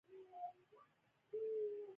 زه د ډیټابیس جوړښت تنظیموم.